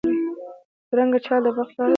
بدرنګه چال د بد بختۍ لاره ده